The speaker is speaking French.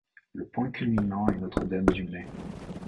Le point culminant est Notre-Dame-du-Mai.